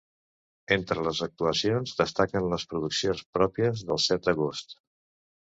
Entre les actuacions destaquen les produccions pròpies del set d’agost.